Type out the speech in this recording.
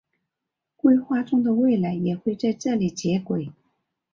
规划中的未来也会在这里接轨。